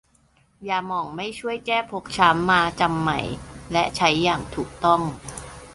ยาหม่องไม่ช่วยแก้ฟกช้ำ มาจำใหม่และใช้อย่างถูกต้อง